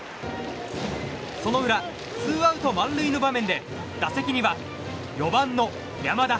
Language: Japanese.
その裏、ツーアウト満塁の場面で打席には４番の山田。